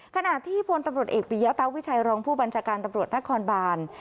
ขณะที่พลตำรวจเอกปียะตาวิชัยรองผู้บัญชาการตำรวจนครบาน